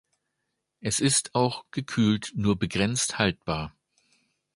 Es ist auch gekühlt nur begrenzt haltbar.